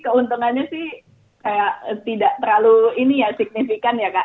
keuntungannya sih kayak tidak terlalu ini ya signifikan ya kak